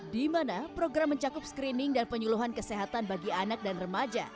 di mana program mencakup screening dan penyuluhan kesehatan bagi anak dan remaja